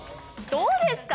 どうですか？